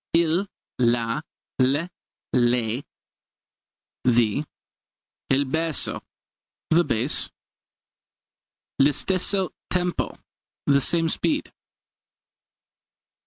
Il, La, l', le the. Il basso the bass. L'istesso tempo the same speed.